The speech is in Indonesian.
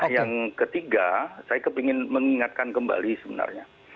yang ketiga saya ingin mengingatkan kembali sebenarnya